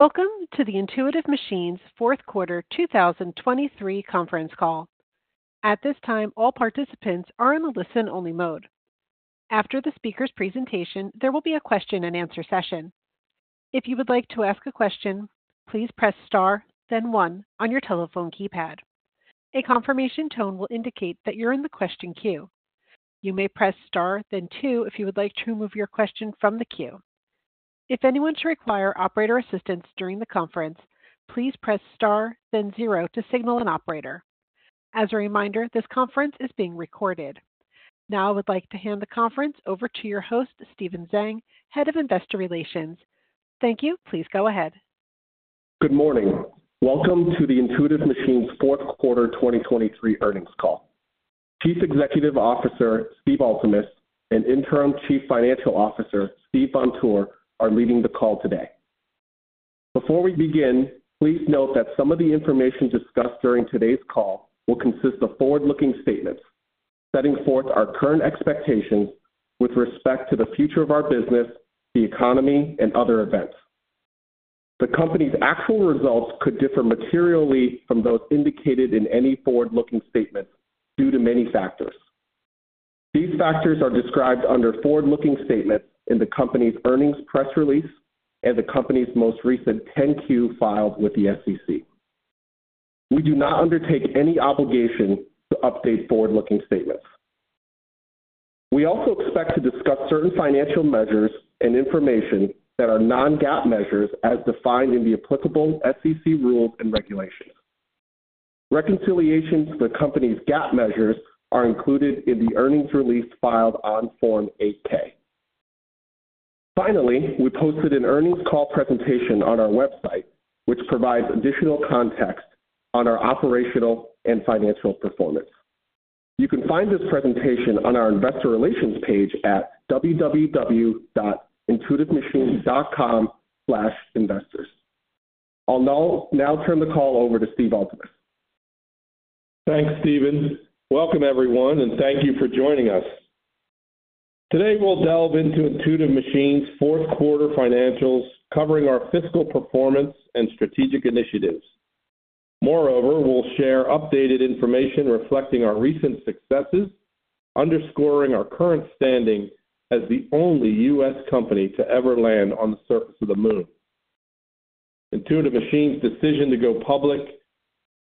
Welcome to the Intuitive Machines fourth quarter 2023 conference call. At this time, all participants are in the listen-only mode. After the speaker's presentation, there will be a question-and-answer session. If you would like to ask a question, please press star, then one, on your telephone keypad. A confirmation tone will indicate that you're in the question queue. You may press star, then two, if you would like to remove your question from the queue. If anyone should require operator assistance during the conference, please press star, then zero, to signal an operator. As a reminder, this conference is being recorded. Now I would like to hand the conference over to your host, Stephen Zhang, Head of Investor Relations. Thank you. Please go ahead. Good morning. Welcome to the Intuitive Machines fourth quarter 2023 earnings call. Chief Executive Officer Steve Altemus and Interim Chief Financial Officer Steve Vontur are leading the call today. Before we begin, please note that some of the information discussed during today's call will consist of forward-looking statements setting forth our current expectations with respect to the future of our business, the economy, and other events. The company's actual results could differ materially from those indicated in any forward-looking statements due to many factors. These factors are described under forward-looking statements in the company's earnings press release and the company's most recent 10-Q filed with the SEC. We do not undertake any obligation to update forward-looking statements. We also expect to discuss certain financial measures and information that are non-GAAP measures as defined in the applicable SEC rules and regulations. Reconciliations to the company's GAAP measures are included in the earnings release filed on Form 8-K. Finally, we posted an earnings call presentation on our website, which provides additional context on our operational and financial performance. You can find this presentation on our investor relations page at www.intuitivemachines.com/investors. I'll now turn the call over to Steve Altemus. Thanks, Stephen. Welcome, everyone, and thank you for joining us. Today, we'll delve into Intuitive Machines' fourth quarter financials, covering our fiscal performance and strategic initiatives. Moreover, we'll share updated information reflecting our recent successes, underscoring our current standing as the only U.S. company to ever land on the surface of the Moon. Intuitive Machines' decision to go public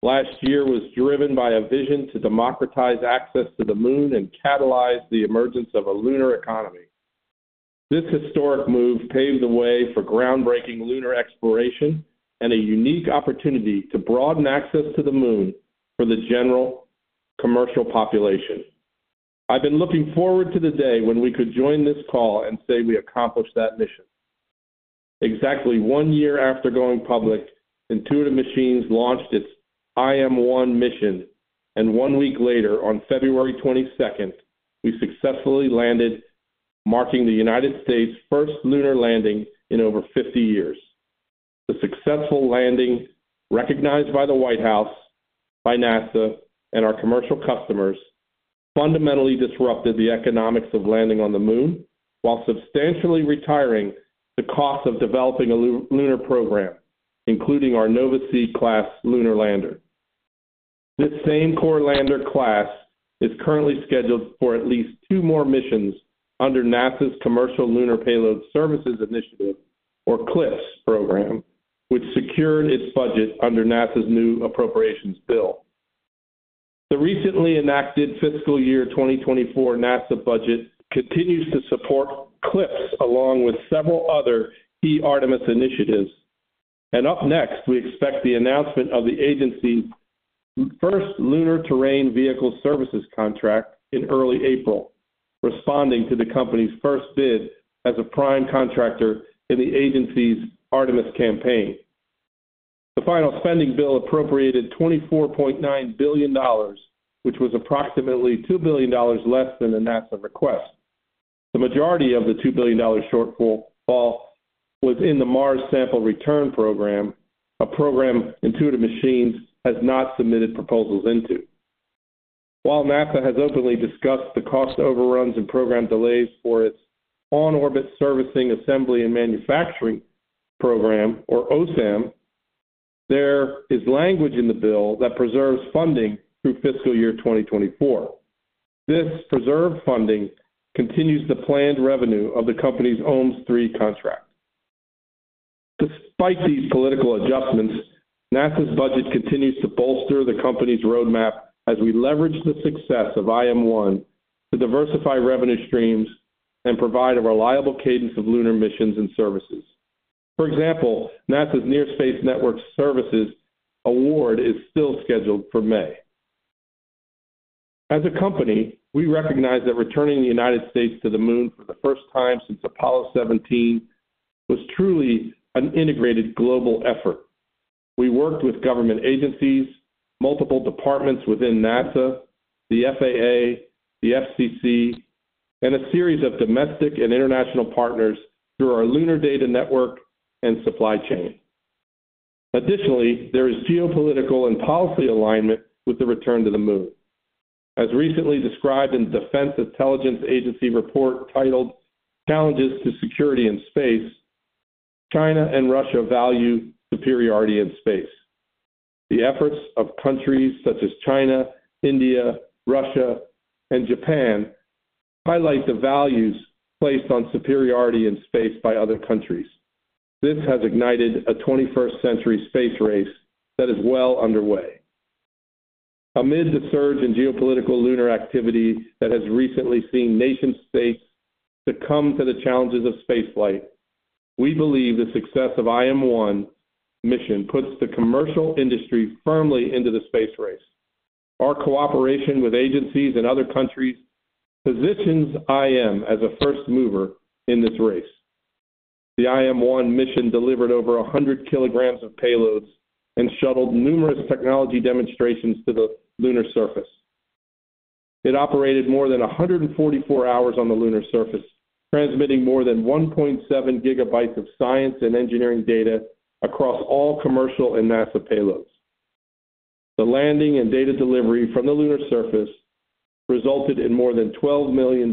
last year was driven by a vision to democratize access to the Moon and catalyze the emergence of a lunar economy. This historic move paved the way for groundbreaking lunar exploration and a unique opportunity to broaden access to the Moon for the general commercial population. I've been looking forward to the day when we could join this call and say we accomplished that mission. Exactly one year after going public, Intuitive Machines launched its IM-1 mission, and one week later, on February 22nd, we successfully landed, marking the United States' first lunar landing in over 50 years. The successful landing, recognized by the White House, by NASA, and our commercial customers, fundamentally disrupted the economics of landing on the Moon while substantially retiring the costs of developing a lunar program, including our Nova-C class lunar lander. This same core lander class is currently scheduled for at least two more missions under NASA's Commercial Lunar Payload Services Initiative, or CLPS program, which secured its budget under NASA's new appropriations bill. The recently enacted fiscal year 2024 NASA budget continues to support CLPS along with several other Artemis initiatives. Up next, we expect the announcement of the agency's first Lunar Terrain Vehicle Services contract in early April, responding to the company's first bid as a prime contractor in the agency's Artemis campaign. The final spending bill appropriated $24.9 billion, which was approximately $2 billion less than the NASA request. The majority of the $2 billion shortfall was in the Mars Sample Return program, a program Intuitive Machines has not submitted proposals into. While NASA has openly discussed the cost overruns and program delays for its On-Orbit Servicing, Assembly, and Manufacturing program, or OSAM, there is language in the bill that preserves funding through fiscal year 2024. This preserved funding continues the planned revenue of the company's OMES III contract. Despite these political adjustments, NASA's budget continues to bolster the company's roadmap as we leverage the success of IM-1 to diversify revenue streams and provide a reliable cadence of lunar missions and services. For example, NASA's Near Space Network Services award is still scheduled for May. As a company, we recognize that returning the United States to the Moon for the first time since Apollo 17 was truly an integrated global effort. We worked with government agencies, multiple departments within NASA, the FAA, the FCC, and a series of domestic and international partners through our lunar data network and supply chain. Additionally, there is geopolitical and policy alignment with the return to the Moon. As recently described in the Defense Intelligence Agency report titled Challenges to Security in Space, China and Russia value superiority in space. The efforts of countries such as China, India, Russia, and Japan highlight the values placed on superiority in space by other countries. This has ignited a 21st-century space race that is well underway. Amid the surge in geopolitical lunar activity that has recently seen nation-states succumb to the challenges of spaceflight, we believe the success of IM-1 mission puts the commercial industry firmly into the space race. Our cooperation with agencies and other countries positions IM as a first mover in this race. The IM-1 mission delivered over 100 kilograms of payloads and shuttled numerous technology demonstrations to the lunar surface. It operated more than 144 hours on the lunar surface, transmitting more than 1.7 GB of science and engineering data across all commercial and NASA payloads. The landing and data delivery from the lunar surface resulted in more than $12 million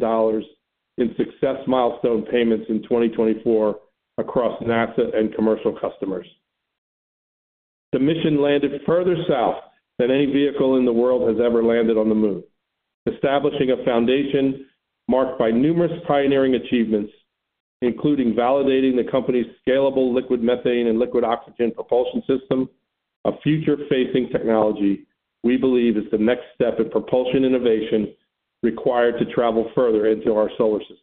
in success milestone payments in 2024 across NASA and commercial customers. The mission landed further south than any vehicle in the world has ever landed on the Moon, establishing a foundation marked by numerous pioneering achievements, including validating the company's scalable liquid methane and liquid oxygen propulsion system, a future-facing technology we believe is the next step in propulsion innovation required to travel further into our solar system.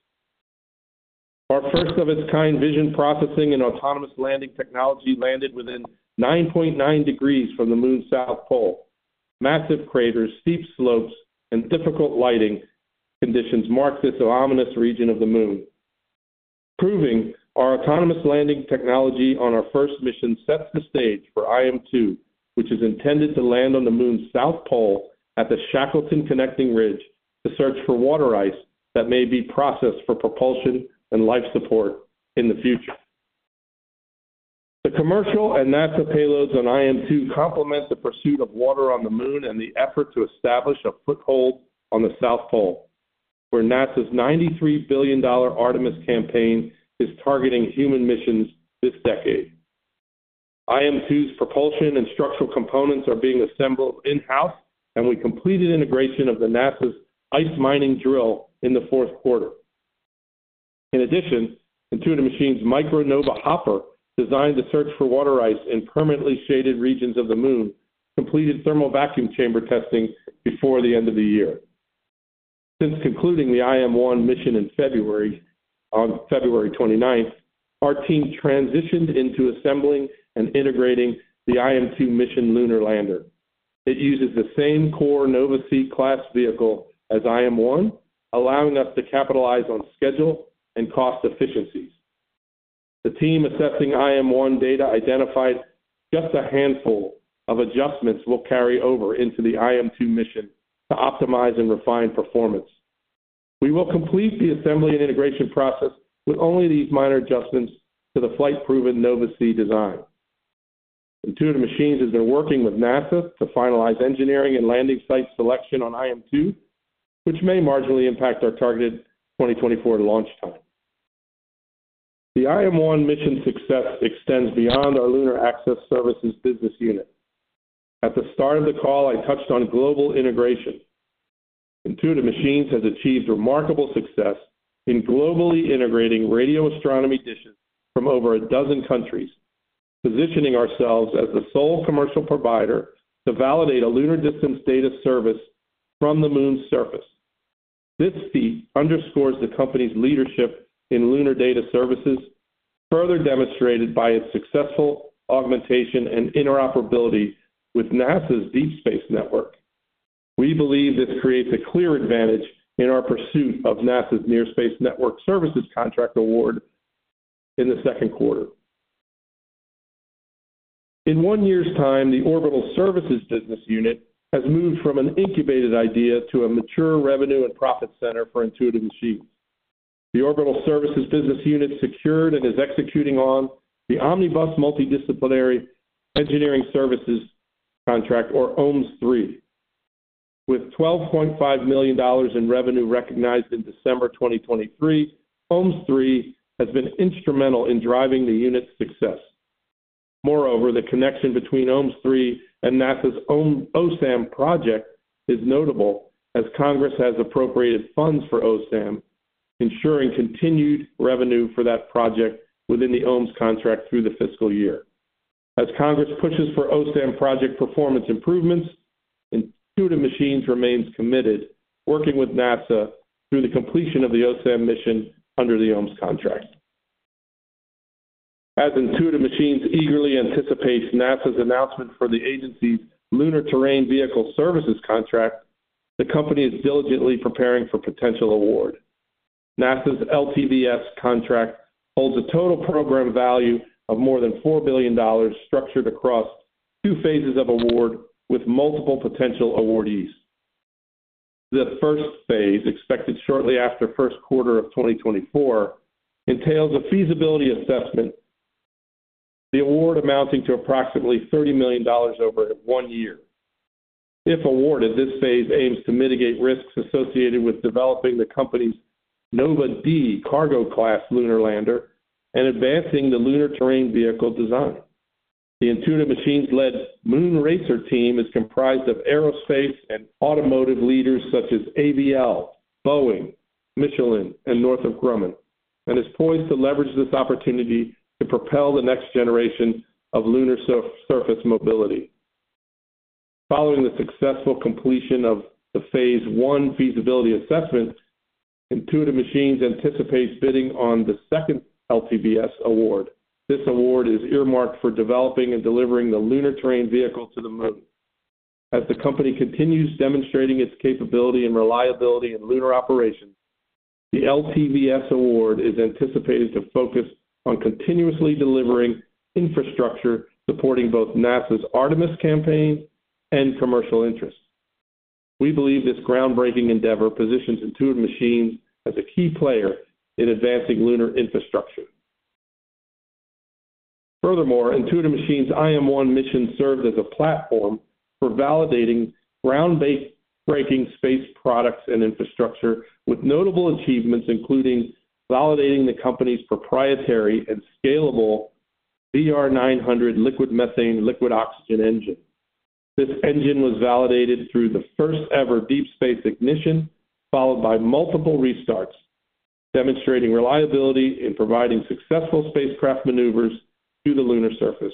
Our first-of-its-kind vision processing and autonomous landing technology landed within 9.9 degrees from the Moon's South Pole. Massive craters, steep slopes, and difficult lighting conditions mark this ominous region of the Moon. Proving our autonomous landing technology on our first mission sets the stage for IM-2, which is intended to land on the Moon's South Pole at the Shackleton Connecting Ridge to search for water ice that may be processed for propulsion and life support in the future. The commercial and NASA payloads on IM-2 complement the pursuit of water on the Moon and the effort to establish a foothold on the South Pole, where NASA's $93 billion Artemis campaign is targeting human missions this decade. IM-2's propulsion and structural components are being assembled in-house, and we completed integration of NASA's ice mining drill in the fourth quarter. In addition, Intuitive Machines' Micro-Nova hopper, designed to search for water ice in permanently shaded regions of the Moon, completed thermal vacuum chamber testing before the end of the year. Since concluding the IM-1 mission on February 29th, our team transitioned into assembling and integrating the IM-2 mission lunar lander. It uses the same core Nova-C class vehicle as IM-1, allowing us to capitalize on schedule and cost efficiencies. The team assessing IM-1 data identified just a handful of adjustments will carry over into the IM-2 mission to optimize and refine performance. We will complete the assembly and integration process with only these minor adjustments to the flight-proven Nova-C design. Intuitive Machines has been working with NASA to finalize engineering and landing site selection on IM-2, which may marginally impact our targeted 2024 launch time. The IM-1 mission success extends beyond our Lunar Access Services business unit. At the start of the call, I touched on global integration. Intuitive Machines has achieved remarkable success in globally integrating radio astronomy dishes from over a dozen countries, positioning ourselves as the sole commercial provider to validate a lunar distance data service from the Moon's surface. This feat underscores the company's leadership in lunar data services, further demonstrated by its successful augmentation and interoperability with NASA's Deep Space Network. We believe this creates a clear advantage in our pursuit of NASA's Near Space Network Services contract award in the second quarter. In one year's time, the Orbital Services Business Unit has moved from an incubated idea to a mature revenue and profit center for Intuitive Machines. The Orbital Services Business Unit secured and is executing on the Omnibus Multidisciplinary Engineering Services contract, or OMES III. With $12.5 million in revenue recognized in December 2023, OMES III has been instrumental in driving the unit's success. Moreover, the connection between OMES III and NASA's OSAM project is notable as Congress has appropriated funds for OSAM, ensuring continued revenue for that project within the OMES III contract through the fiscal year. As Congress pushes for OSAM project performance improvements, Intuitive Machines remains committed, working with NASA through the completion of the OSAM mission under the OMES III contract. As Intuitive Machines eagerly anticipates NASA's announcement for the agency's Lunar Terrain Vehicle Services contract, the company is diligently preparing for potential award. NASA's LTVS contract holds a total program value of more than $4 billion, structured across two phases of award with multiple potential awardees. The first phase, expected shortly after first quarter of 2024, entails a feasibility assessment, the award amounting to approximately $30 million over one year. If awarded, this phase aims to mitigate risks associated with developing the company's Nova-D cargo class lunar lander and advancing the lunar terrain vehicle design. The Intuitive Machines-led Moon RACER team is comprised of aerospace and automotive leaders such as AVL, Boeing, Michelin, and Northrop Grumman, and is poised to leverage this opportunity to propel the next generation of lunar surface mobility. Following the successful completion of the phase one feasibility assessment, Intuitive Machines anticipates bidding on the second LTVS award. This award is earmarked for developing and delivering the lunar terrain vehicle to the Moon. As the company continues demonstrating its capability and reliability in lunar operations, the LTVS award is anticipated to focus on continuously delivering infrastructure supporting both NASA's Artemis campaign and commercial interests. We believe this groundbreaking endeavor positions Intuitive Machines as a key player in advancing lunar infrastructure. Furthermore, Intuitive Machines' IM-1 mission served as a platform for validating groundbreaking space products and infrastructure, with notable achievements including validating the company's proprietary and scalable VR900 liquid methane/liquid oxygen engine. This engine was validated through the first-ever deep space ignition, followed by multiple restarts, demonstrating reliability in providing successful spacecraft maneuvers to the lunar surface.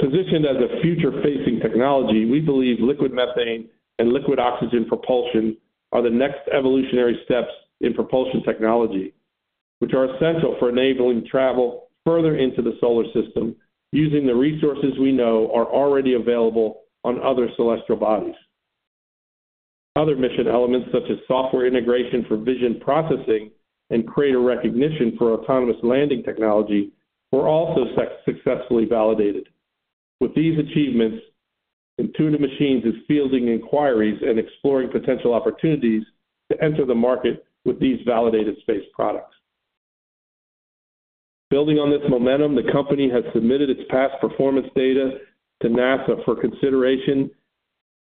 Positioned as a future-facing technology, we believe liquid methane and liquid oxygen propulsion are the next evolutionary steps in propulsion technology, which are essential for enabling travel further into the solar system using the resources we know are already available on other celestial bodies. Other mission elements, such as software integration for vision processing and crater recognition for autonomous landing technology, were also successfully validated. With these achievements, Intuitive Machines is fielding inquiries and exploring potential opportunities to enter the market with these validated space products. Building on this momentum, the company has submitted its past performance data to NASA for consideration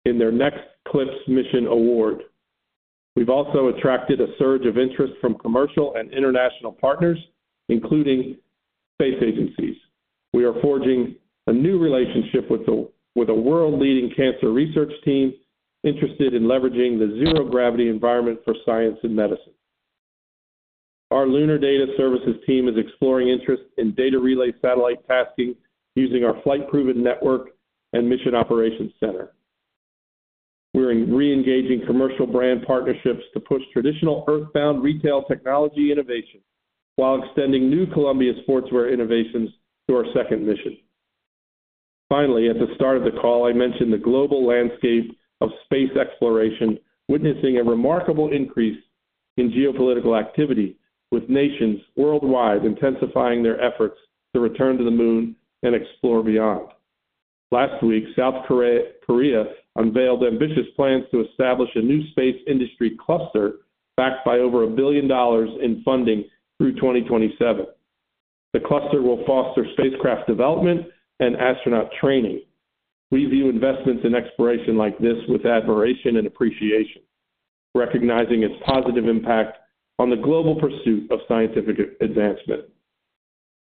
in their next CLPS mission award. We've also attracted a surge of interest from commercial and international partners, including space agencies. We are forging a new relationship with a world-leading cancer research team interested in leveraging the zero gravity environment for science and medicine. Our Lunar Data Services team is exploring interest in data relay satellite tasking using our flight-proven network and mission operations center. We're reengaging commercial brand partnerships to push traditional Earth-bound retail technology innovation while extending new Columbia Sportswear innovations to our second mission. Finally, at the start of the call, I mentioned the global landscape of space exploration witnessing a remarkable increase in geopolitical activity, with nations worldwide intensifying their efforts to return to the Moon and explore beyond. Last week, South Korea unveiled ambitious plans to establish a new space industry cluster backed by over $1 billion in funding through 2027. The cluster will foster spacecraft development and astronaut training. We view investments in exploration like this with admiration and appreciation, recognizing its positive impact on the global pursuit of scientific advancement.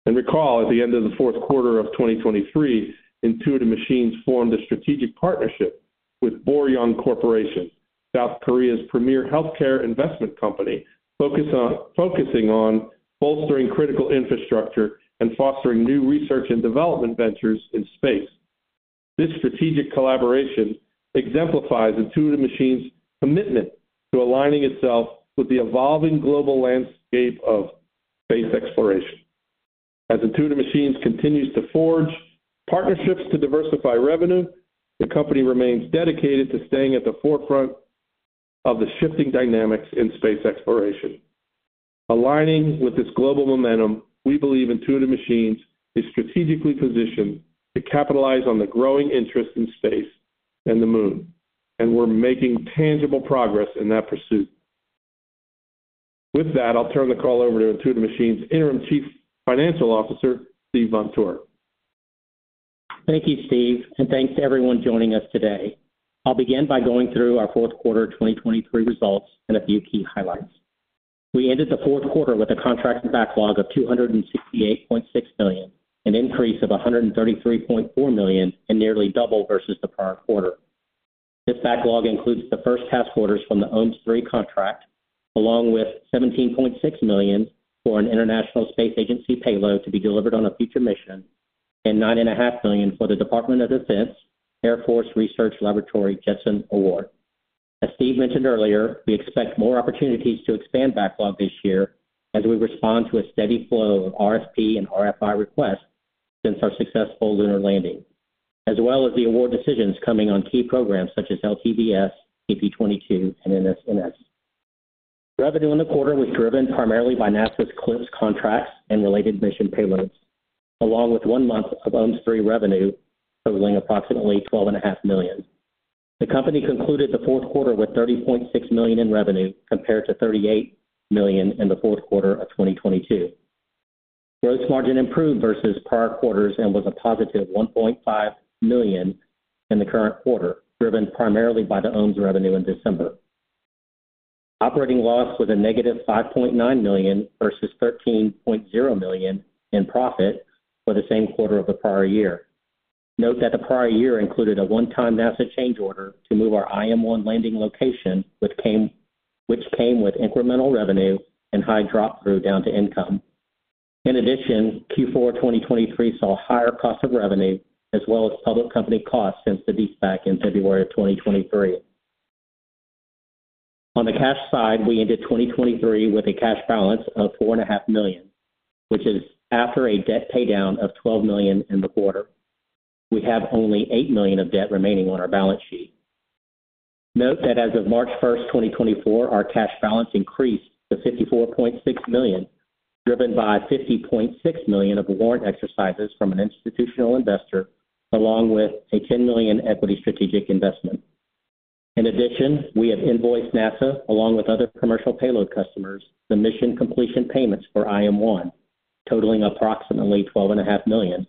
And recall, at the end of the fourth quarter of 2023, Intuitive Machines formed a strategic partnership with Boryung Corporation, South Korea's premier healthcare investment company, focusing on bolstering critical infrastructure and fostering new research and development ventures in space. This strategic collaboration exemplifies Intuitive Machines' commitment to aligning itself with the evolving global landscape of space exploration. As Intuitive Machines continues to forge partnerships to diversify revenue, the company remains dedicated to staying at the forefront of the shifting dynamics in space exploration. Aligning with this global momentum, we believe Intuitive Machines is strategically positioned to capitalize on the growing interest in space and the Moon, and we're making tangible progress in that pursuit. With that, I'll turn the call over to Intuitive Machines' Interim Chief Financial Officer, Steve Vontur. Thank you, Steve, and thanks to everyone joining us today. I'll begin by going through our fourth quarter 2023 results and a few key highlights. We ended the fourth quarter with a contract backlog of $268.6 million, an increase of $133.4 million, and nearly double versus the prior quarter. This backlog includes the first half quarters from the OMES III contract, along with $17.6 million for an international space agency payload to be delivered on a future mission, and $9.5 million for the Department of Defense Air Force Research Laboratory JETSON Award. As Steve mentioned earlier, we expect more opportunities to expand backlog this year as we respond to a steady flow of RFP and RFI requests since our successful lunar landing, as well as the award decisions coming on key programs such as LTVS, CP-22, and NSNS. Revenue in the quarter was driven primarily by NASA's CLPS contracts and related mission payloads, along with one month of OMES III revenue totaling approximately $12.5 million. The company concluded the fourth quarter with $30.6 million in revenue compared to $38 million in the fourth quarter of 2022. Gross margin improved versus prior quarters and was a positive $1.5 million in the current quarter, driven primarily by the OMES III revenue in December. Operating loss was a negative $5.9 million versus $13.0 million in profit for the same quarter of the prior year. Note that the prior year included a one-time NASA change order to move our IM-1 landing location, which came with incremental revenue and high drop-through down to income. In addition, Q4 2023 saw higher cost of revenue as well as public company costs since the IPO back in February of 2023. On the cash side, we ended 2023 with a cash balance of $4.5 million, which is after a debt paydown of $12 million in the quarter. We have only $8 million of debt remaining on our balance sheet. Note that as of March 1st, 2024, our cash balance increased to $54.6 million, driven by $50.6 million of warrant exercises from an institutional investor, along with a $10 million equity strategic investment. In addition, we have invoiced NASA, along with other commercial payload customers, the mission completion payments for IM-1, totaling approximately $12.5 million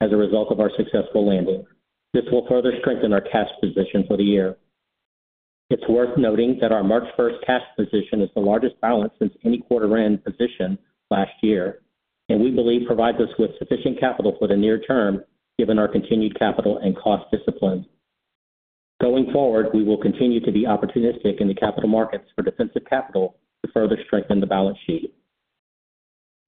as a result of our successful landing. This will further strengthen our cash position for the year. It's worth noting that our March 1 cash position is the largest balance since any quarter-end position last year, and we believe provides us with sufficient capital for the near term, given our continued capital and cost discipline. Going forward, we will continue to be opportunistic in the capital markets for defensive capital to further strengthen the balance sheet.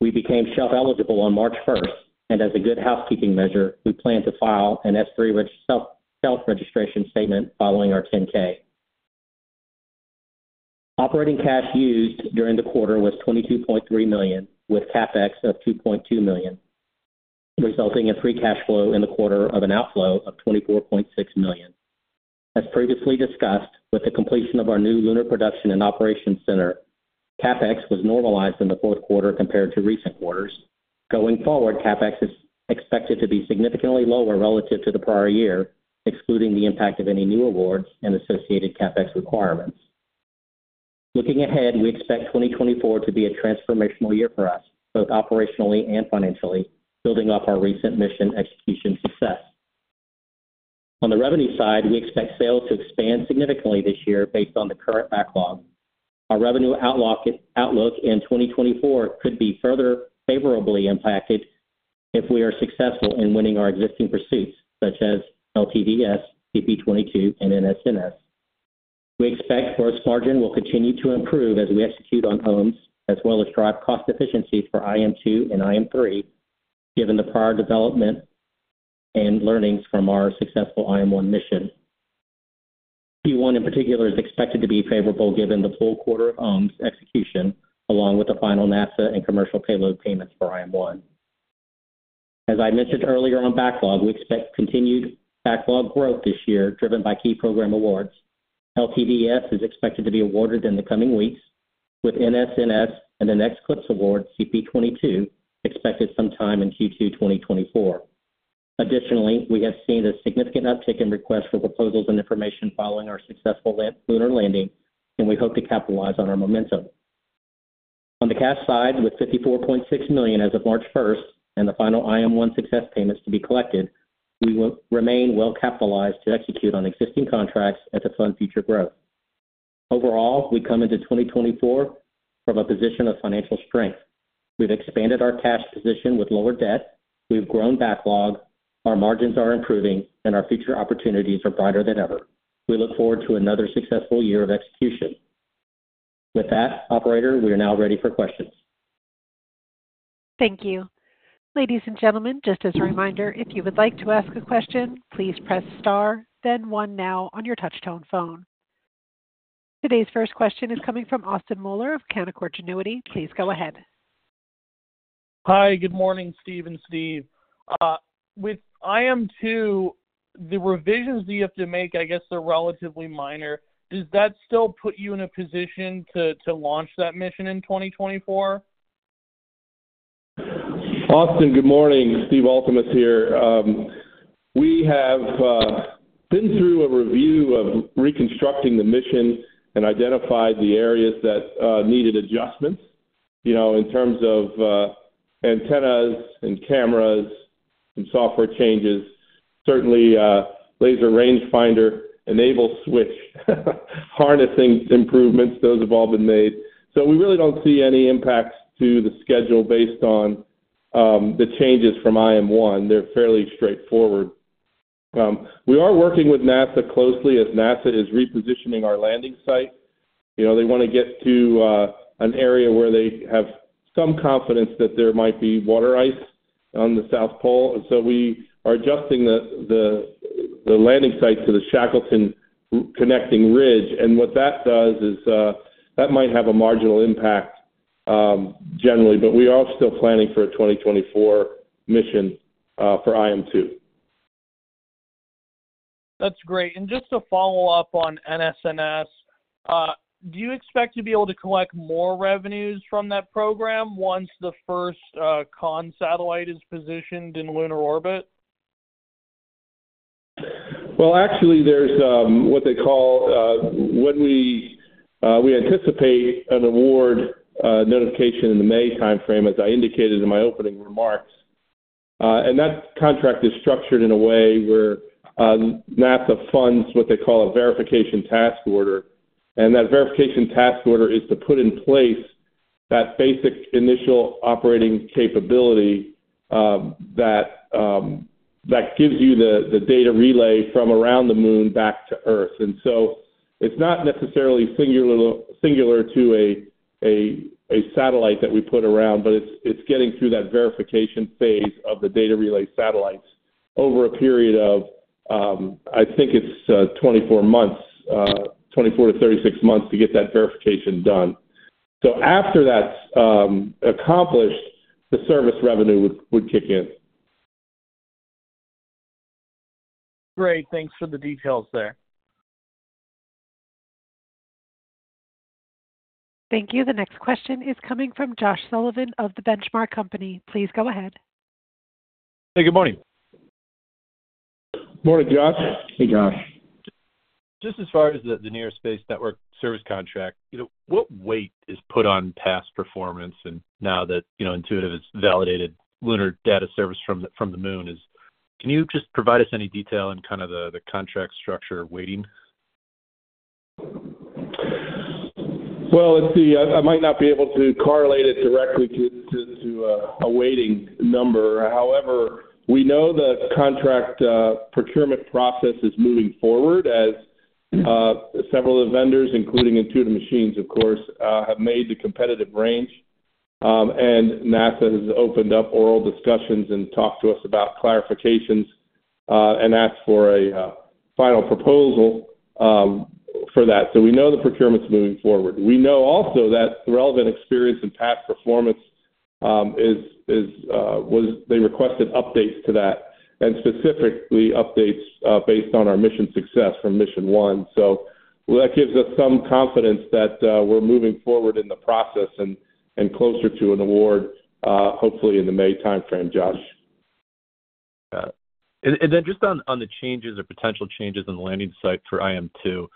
We became shelf eligible on March 1, and as a good housekeeping measure, we plan to file an S-3 shelf registration statement following our 10-K. Operating cash used during the quarter was $22.3 million, with CapEx of $2.2 million, resulting in free cash flow in the quarter of an outflow of $24.6 million. As previously discussed, with the completion of our new Lunar Production and Operations Center, CapEx was normalized in the fourth quarter compared to recent quarters. Going forward, CapEx is expected to be significantly lower relative to the prior year, excluding the impact of any new awards and associated CapEx requirements. Looking ahead, we expect 2024 to be a transformational year for us, both operationally and financially, building up our recent mission execution success. On the revenue side, we expect sales to expand significantly this year based on the current backlog. Our revenue outlook in 2024 could be further favorably impacted if we are successful in winning our existing pursuits, such as LTVS, CP-22, and NSNS. We expect gross margin will continue to improve as we execute on OMES, as well as drive cost efficiencies for IM-2 and IM-3, given the prior development and learnings from our successful IM-1 mission. Q1 in particular is expected to be favorable, given the full quarter of OMES execution, along with the final NASA and commercial payload payments for IM-1. As I mentioned earlier on backlog, we expect continued backlog growth this year, driven by key program awards. LTVS is expected to be awarded in the coming weeks, with NSNS and the next CLPS award, CP-22, expected sometime in Q2 2024. Additionally, we have seen a significant uptick in requests for proposals and information following our successful lunar landing, and we hope to capitalize on our momentum. On the cash side, with $54.6 million as of March 1st and the final IM-1 success payments to be collected, we will remain well capitalized to execute on existing contracts as to fund future growth. Overall, we come into 2024 from a position of financial strength. We've expanded our cash position with lower debt. We've grown backlog. Our margins are improving, and our future opportunities are brighter than ever. We look forward to another successful year of execution. With that, operator, we are now ready for questions. Thank you. Ladies and gentlemen, just as a reminder, if you would like to ask a question, please press star, then one now on your touch-tone phone. Today's first question is coming from Austin Moeller of Canaccord Genuity. Please go ahead. Hi, good morning, Steve and Steve. With IM-2, the revisions you have to make, I guess they're relatively minor. Does that still put you in a position to launch that mission in 2024? Austin, good morning. Steve Altemus here. We have been through a review of reconstructing the mission and identified the areas that needed adjustments in terms of antennas and cameras and software changes. Certainly, laser rangefinder enable switch harnessing improvements, those have all been made. So we really don't see any impacts to the schedule based on the changes from IM-1. They're fairly straightforward. We are working with NASA closely as NASA is repositioning our landing site. They want to get to an area where they have some confidence that there might be water ice on the South Pole. And so we are adjusting the landing site to the Shackleton Connecting Ridge. And what that does is that might have a marginal impact generally, but we are still planning for a 2024 mission for IM-2. That's great. And just to follow up on NSNS, do you expect to be able to collect more revenues from that program once the first comms satellite is positioned in lunar orbit? Well, actually, there's what they call when we anticipate an award notification in the May timeframe, as I indicated in my opening remarks. And that contract is structured in a way where NASA funds what they call a verification task order. And that verification task order is to put in place that basic initial operating capability that gives you the data relay from around the Moon back to Earth. And so it's not necessarily singular to a satellite that we put around, but it's getting through that verification phase of the data relay satellites over a period of, I think it's 24-36 months to get that verification done. So after that's accomplished, the service revenue would kick in. Great. Thanks for the details there. Thank you. The next question is coming from Josh Sullivan of the Benchmark Company. Please go ahead. Hey, good morning. Morning, Josh. Hey, Josh. Just as far as the Near Space Network Services contract, what weight is put on past performance now that Intuitive has validated lunar data service from the Moon? Can you just provide us any detail on kind of the contract structure weighting? Well, I might not be able to correlate it directly to a weighting number. However, we know the contract procurement process is moving forward as several of the vendors, including Intuitive Machines, of course, have made the competitive range. And NASA has opened up oral discussions and talked to us about clarifications and asked for a final proposal for that. So we know the procurement's moving forward. We know also that the relevant experience and past performance is they requested updates to that, and specifically updates based on our mission success from mission one. So that gives us some confidence that we're moving forward in the process and closer to an award, hopefully in the May timeframe, Josh. Got it. And then just on the changes or potential changes in the landing site for IM-2,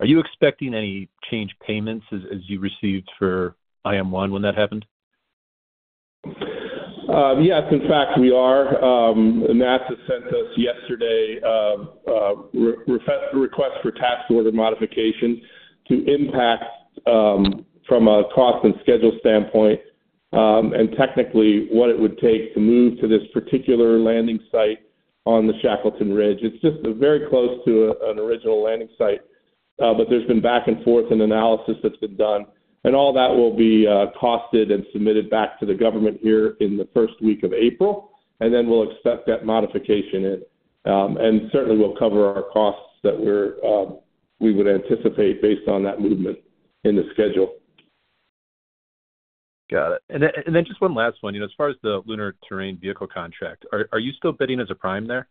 are you expecting any change payments as you received for IM-1 when that happened? Yes. In fact, we are. NASA sent us yesterday a request for task order modifications to impact from a cost and schedule standpoint and technically what it would take to move to this particular landing site on the Shackleton Connecting Ridge. It's just very close to an original landing site, but there's been back and forth and analysis that's been done. And all that will be costed and submitted back to the government here in the first week of April, and then we'll accept that modification in. Certainly, we'll cover our costs that we would anticipate based on that movement in the schedule. Got it. Then just one last one. As far as the lunar terrain vehicle contract, are you still bidding as a prime there?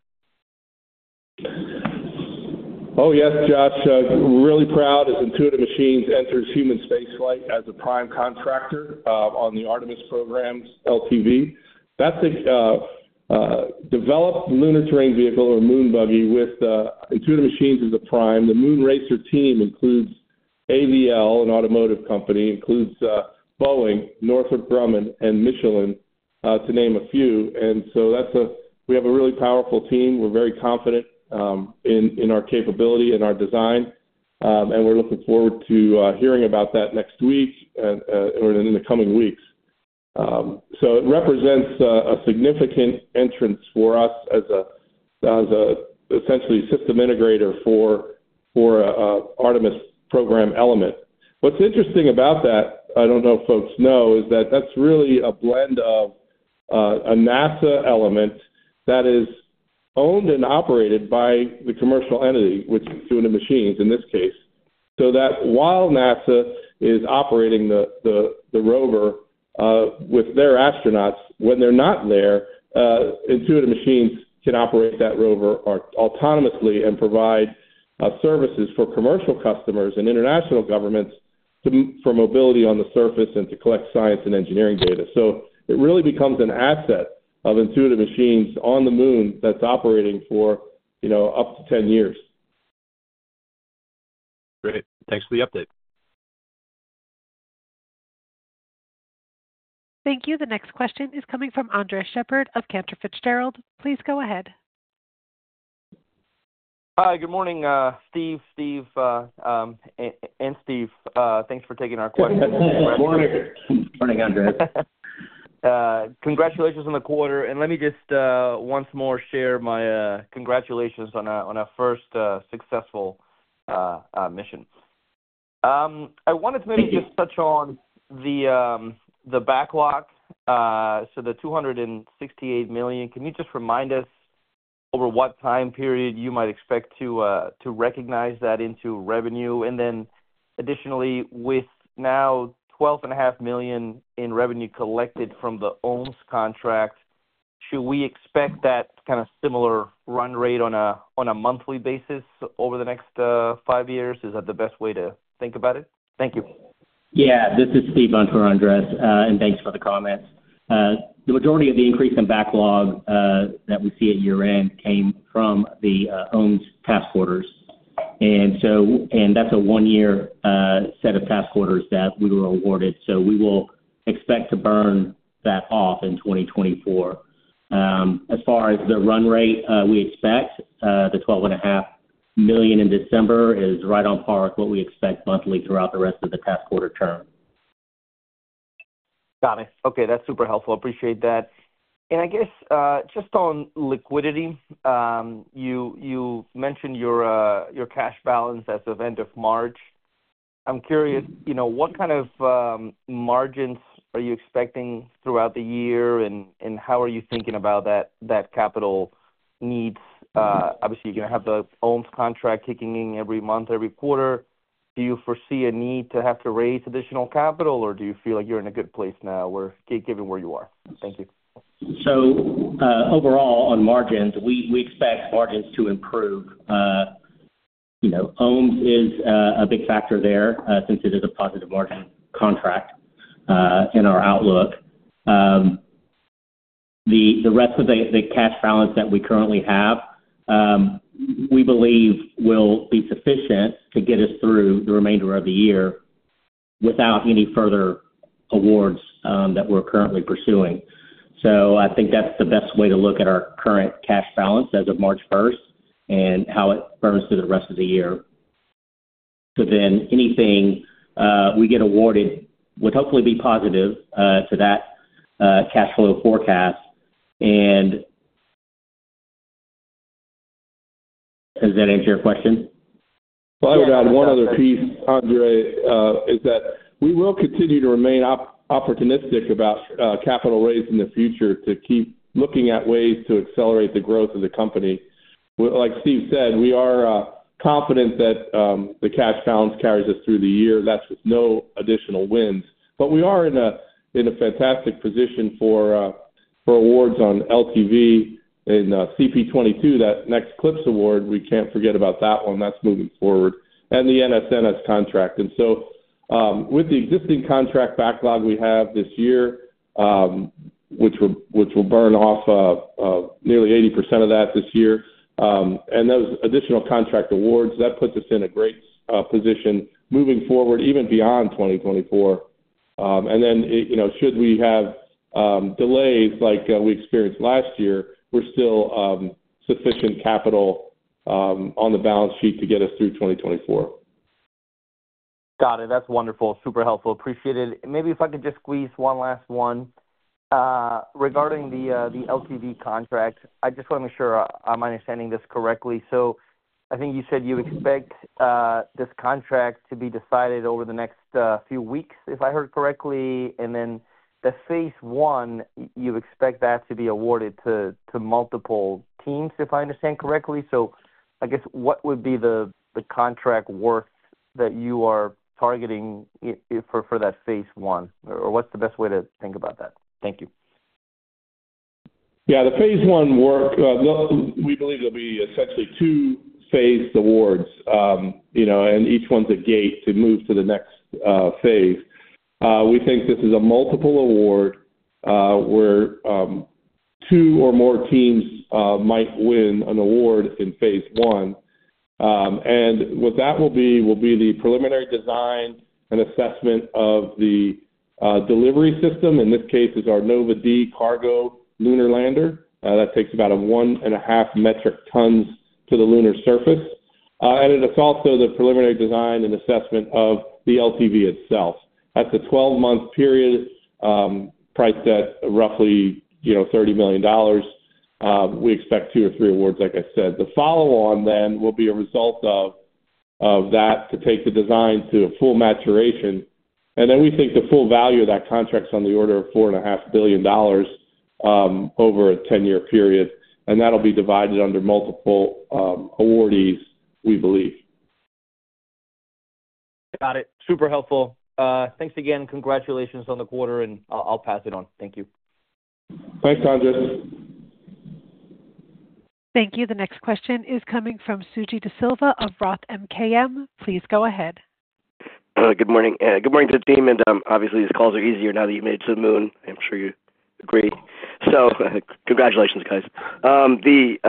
Oh, yes, Josh. We're really proud as Intuitive Machines enters human spaceflight as a prime contractor on the Artemis programs, LTV. That's a developed lunar terrain vehicle or moon buggy with Intuitive Machines as a prime. The Moon RACER team includes AVL, an automotive company, includes Boeing, Northrop Grumman, and Michelin, to name a few. And so we have a really powerful team. We're very confident in our capability and our design, and we're looking forward to hearing about that next week or in the coming weeks. So it represents a significant entrance for us as an essentially system integrator for an Artemis program element. What's interesting about that, I don't know if folks know, is that that's really a blend of a NASA element that is owned and operated by the commercial entity, which is Intuitive Machines in this case. So that while NASA is operating the rover with their astronauts, when they're not there, Intuitive Machines can operate that rover autonomously and provide services for commercial customers and international governments for mobility on the surface and to collect science and engineering data. So it really becomes an asset of Intuitive Machines on the Moon that's operating for up to 10 years. Great. Thanks for the update. Thank you. The next question is coming from Andres Sheppard of Cantor Fitzgerald. Please go ahead. Hi, good morning, Steve. Steve and Steve, thanks for taking our questions. Good morning. Morning, Andres. Congratulations on the quarter. Let me just once more share my congratulations on our first successful mission. I wanted to maybe just touch on the backlog. So the $268 million, can you just remind us over what time period you might expect to recognize that into revenue? And then additionally, with now $12.5 million in revenue collected from the OMES contract, should we expect that kind of similar run rate on a monthly basis over the next five years? Is that the best way to think about it? Thank you. Yeah. This is Steve Vontur, Andres, and thanks for the comments. The majority of the increase in backlog that we see at year-end came from the OMES task orders. And that's a one-year set of task orders that we were awarded. So we will expect to burn that off in 2024. As far as the run rate, we expect the $12.5 million in December is right on par with what we expect monthly throughout the rest of the task order term. Got it. Okay. That's super helpful. Appreciate that. And I guess just on liquidity, you mentioned your cash balance as of end of March. I'm curious, what kind of margins are you expecting throughout the year, and how are you thinking about that capital needs? Obviously, you're going to have the OMES contract kicking in every month, every quarter. Do you foresee a need to have to raise additional capital, or do you feel like you're in a good place now given where you are? Thank you. So overall, on margins, we expect margins to improve. OMES is a big factor there since it is a positive margin contract in our outlook. The rest of the cash balance that we currently have, we believe, will be sufficient to get us through the remainder of the year without any further awards that we're currently pursuing. So, I think that's the best way to look at our current cash balance as of March 1st and how it burns through the rest of the year. So then, anything we get awarded would hopefully be positive to that cash flow forecast. And does that answer your question? Well, I would add one other piece, Andres, is that we will continue to remain opportunistic about capital raise in the future to keep looking at ways to accelerate the growth of the company. Like Steve said, we are confident that the cash balance carries us through the year. That's with no additional wins. But we are in a fantastic position for awards on LTV and CP-22, that next CLPS award. We can't forget about that one. That's moving forward. And the NSNS contract. And so with the existing contract backlog we have this year, which will burn off nearly 80% of that this year, and those additional contract awards, that puts us in a great position moving forward even beyond 2024. And then should we have delays like we experienced last year, we're still sufficient capital on the balance sheet to get us through 2024. Got it. That's wonderful. Super helpful. Appreciate it. Maybe if I could just squeeze one last one. Regarding the LTV contract, I just want to make sure I'm understanding this correctly. So I think you said you expect this contract to be decided over the next few weeks, if I heard correctly. Then the phase one, you expect that to be awarded to multiple teams, if I understand correctly. So I guess what would be the contract worth that you are targeting for that phase one? Or what's the best way to think about that? Thank you. Yeah. The phase one work, we believe there'll be essentially two phased awards, and each one's a gate to move to the next phase. We think this is a multiple award where two or more teams might win an award in phase one. And what that will be will be the preliminary design and assessment of the delivery system. In this case, it's our Nova-D cargo lunar lander. That takes about 1.5 metric tons to the lunar surface. And it's also the preliminary design and assessment of the LTV itself. That's a 12-month period priced at roughly $30 million. We expect 2 or 3 awards, like I said. The follow-on then will be a result of that to take the design to a full maturation. And then we think the full value of that contract's on the order of $4.5 billion over a 10-year period. And that'll be divided under multiple awardees, we believe. Got it. Super helpful. Thanks again. Congratulations on the quarter, and I'll pass it on. Thank you. Thanks, Andres. Thank you. The next question is coming from Suji Desilva of Roth MKM. Please go ahead. Good morning. Good morning to the team. And obviously, these calls are easier now that you made it to the Moon. I'm sure you agree. So congratulations, guys. The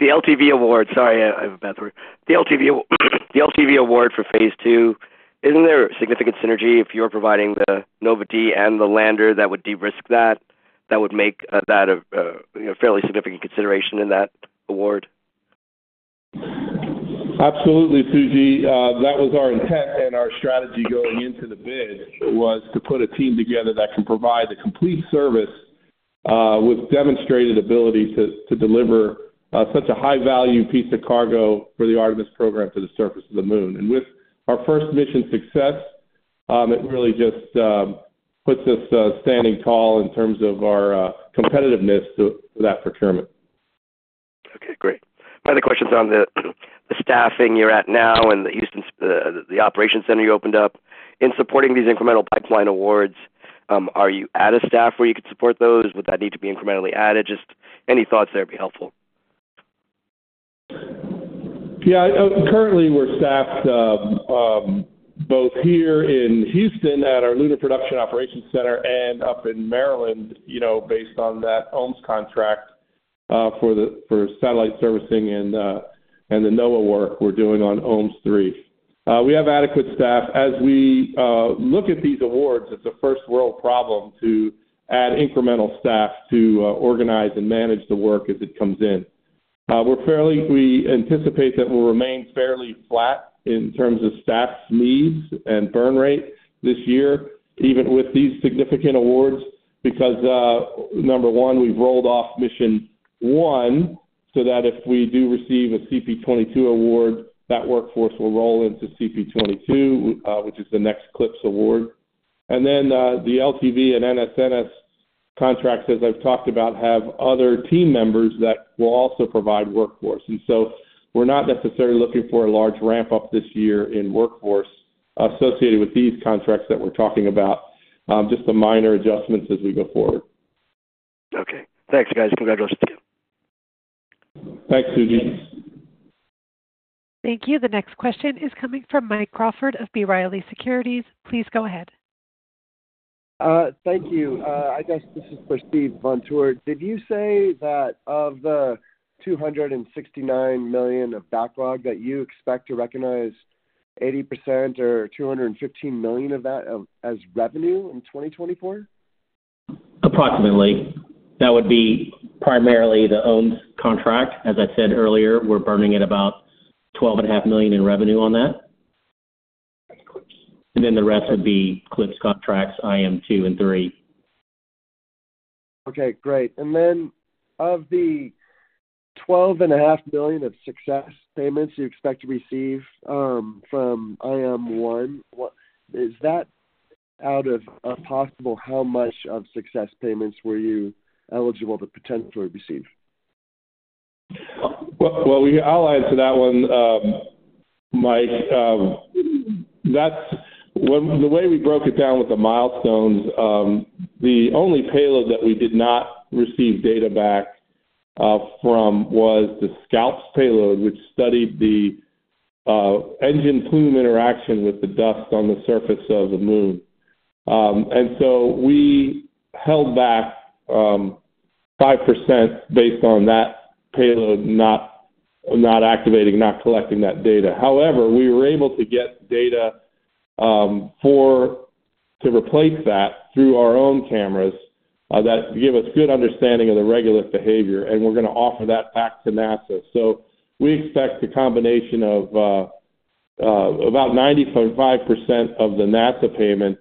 LTV award sorry, I have a bad throat. The LTV award for phase 2, isn't there significant synergy? If you're providing the Nova-D and the lander, that would de-risk that. That would make that a fairly significant consideration in that award. Absolutely, Suji. That was our intent and our strategy going into the bid was to put a team together that can provide the complete service with demonstrated ability to deliver such a high-value piece of cargo for the Artemis program to the surface of the Moon. And with our first mission success, it really just puts us standing tall in terms of our competitiveness for that procurement. Okay. Great. My other question's on the staffing you're at now and the operations center you opened up. In supporting these incremental pipeline awards, are you at a staff where you could support those? Would that need to be incrementally added? Just any thoughts there would be helpful. Yeah. Currently, we're staffed both here in Houston at our lunar production operations center and up in Maryland based on that OMES contract for satellite servicing and the NOAA work we're doing on OMES-3. We have adequate staff. As we look at these awards, it's a first-world problem to add incremental staff to organize and manage the work as it comes in. We anticipate that we'll remain fairly flat in terms of staff needs and burn rate this year, even with these significant awards, because, number one, we've rolled off mission one so that if we do receive a CP-22 award, that workforce will roll into CP-22, which is the next CLPS award. And then the LTV and NSNS contracts, as I've talked about, have other team members that will also provide workforce. And so we're not necessarily looking for a large ramp-up this year in workforce associated with these contracts that we're talking about, just the minor adjustments as we go forward. Okay. Thanks, guys. Congratulations to you. Thanks, Suji. Thank you. The next question is coming from Mike Crawford of B. Riley Securities. Please go ahead. Thank you. I guess this is for Steven Vontur. Did you say that of the $269 million of backlog, that you expect to recognize 80% or $215 million of that as revenue in 2024? Approximately. That would be primarily the OMES III contract. As I said earlier, we're burning at about $12.5 million in revenue on that. And then the rest would be CLPS contracts, IM-2 and 3. Okay. Great. And then of the $12.5 million of success payments you expect to receive from IM-1, is that out of a possible how much of success payments were you eligible to potentially receive? Well, I'll add to that one, Mike. The way we broke it down with the milestones, the only payload that we did not receive data back from was the SCALPSS payload, which studied the engine-plume interaction with the dust on the surface of the Moon. And so we held back 5% based on that payload not activating, not collecting that data. However, we were able to get data to replace that through our own cameras that give us good understanding of the regolith behavior. And we're going to offer that back to NASA. So we expect a combination of about 95% of the NASA payment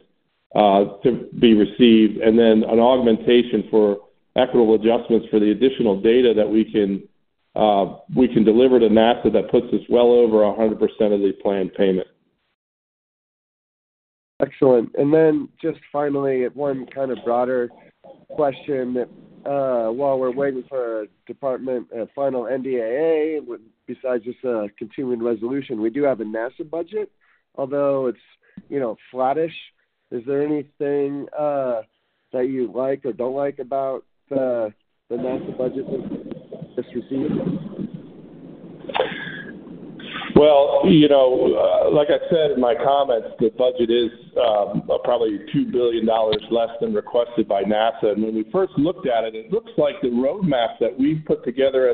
to be received and then an augmentation for equitable adjustments for the additional data that we can deliver to NASA that puts us well over 100% of the planned payment. Excellent. And then just finally, one kind of broader question. While we're waiting for a final NDAA, besides just a continuing resolution, we do have a NASA budget, although it's flattish. Is there anything that you like or don't like about the NASA budget that's received? Well, like I said in my comments, the budget is probably $2 billion less than requested by NASA. And when we first looked at it, it looks like the roadmap that we've put together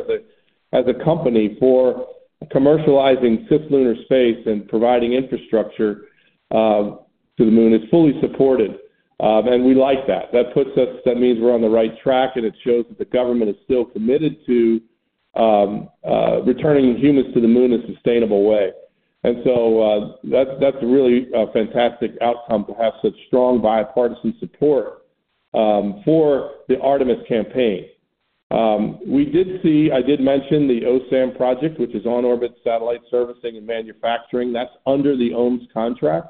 as a company for commercializing cislunar space and providing infrastructure to the moon is fully supported. And we like that. That means we're on the right track, and it shows that the government is still committed to returning humans to the Moon in a sustainable way. And so that's a really fantastic outcome to have such strong bipartisan support for the Artemis campaign. I did mention the OSAM project, which is on-orbit satellite servicing and manufacturing. That's under the OMES III contract.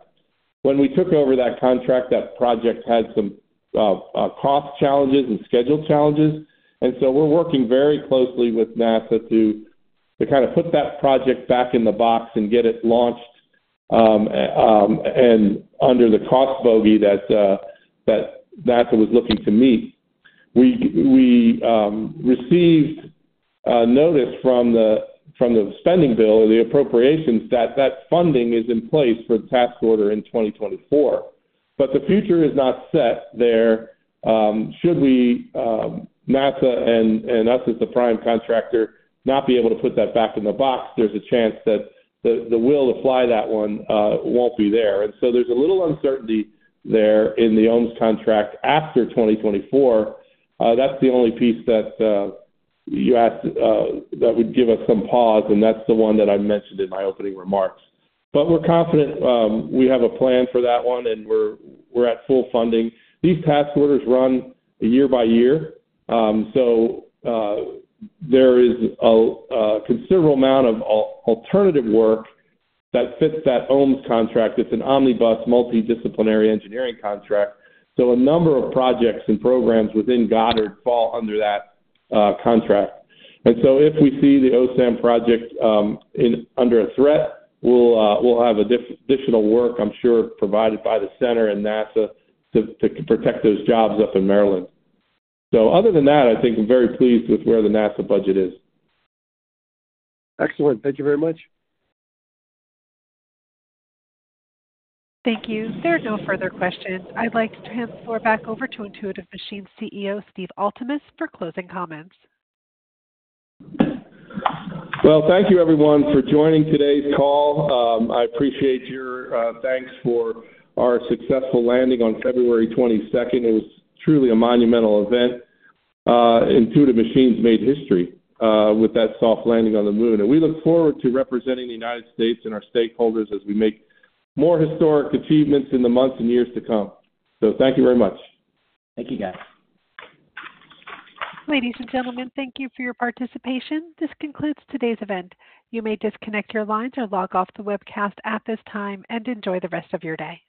When we took over that contract, that project had some cost challenges and schedule challenges. And so we're working very closely with NASA to kind of put that project back in the box and get it launched and under the cost bogey that NASA was looking to meet. We received notice from the spending bill or the appropriations that that funding is in place for the task order in 2024. But the future is not set there. Should NASA and us as the prime contractor not be able to put that back in the box, there's a chance that the will to fly that one won't be there. And so there's a little uncertainty there in the OMES III contract after 2024. That's the only piece that you asked that would give us some pause, and that's the one that I mentioned in my opening remarks. But we're confident we have a plan for that one, and we're at full funding. These task orders run year by year. So there is a considerable amount of alternative work that fits that OMES III contract. It's an omnibus, multidisciplinary engineering contract. So a number of projects and programs within Goddard fall under that contract. And so if we see the OSAM project under a threat, we'll have additional work, I'm sure, provided by the center and NASA to protect those jobs up in Maryland. So other than that, I think I'm very pleased with where the NASA budget is. Excellent. Thank you very much. Thank you. There are no further questions. I'd like to hand the floor back over to Intuitive Machines CEO, Steve Altemus, for closing comments. Well, thank you, everyone, for joining today's call. I appreciate your thanks for our successful landing on February 22nd. It was truly a monumental event. Intuitive Machines made history with that soft landing on the Moon. And we look forward to representing the United States and our stakeholders as we make more historic achievements in the months and years to come. So thank you very much. Thank you, guys. Ladies and gentlemen, thank you for your participation. This concludes today's event. You may disconnect your lines or log off the webcast at this time and enjoy the rest of your day.